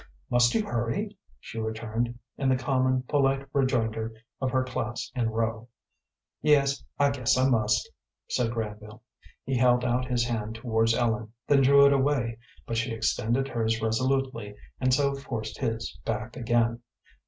"Must you hurry?" she returned, in the common, polite rejoinder of her class in Rowe. "Yes, I guess I must," said Granville. He held out his hand towards Ellen, then drew it away, but she extended hers resolutely, and so forced his back again.